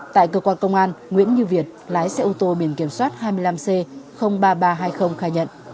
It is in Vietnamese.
tại cơ quan công an nguyễn như việt lái xe ô tô biển kiểm soát hai mươi năm c ba nghìn ba trăm hai mươi khai nhận